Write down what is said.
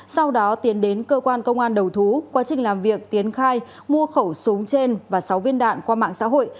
sau đó tiến đến cơ quan công an đầu thú quá trình làm việc tiến khai mua khẩu súng trên và sáu viên đạn qua mạng xã hội